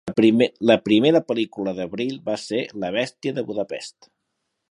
La primera pel·lícula de Brill va ser a "la bèstia de Budapest".